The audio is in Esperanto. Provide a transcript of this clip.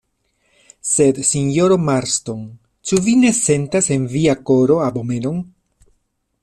Sed, sinjoro Marston, ĉu vi ne sentas en via koro abomenon?